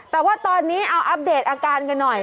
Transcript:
แต่ว่าตอนนี้เอาอัปเดตอาการกันหน่อย